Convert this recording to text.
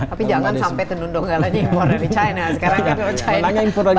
tapi jangan sampai tenundonggalanya impor dari china